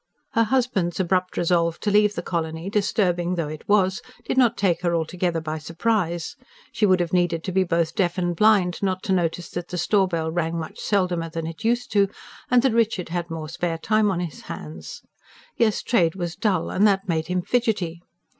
Her husband's abrupt resolve to leave the colony, disturbing though it was, did not take her altogether by surprise. She would have needed to be both deaf and blind not to notice that the store bell rang much seldomer than it used to, and that Richard had more spare time on his hands. Yes, trade was dull, and that made him fidgety.